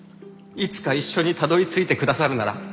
いつか一緒にたどりついてくださるなら。